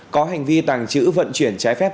có hành vi tàng trữ vận chuyển trái phép